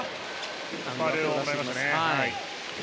ファウルもらいましたね。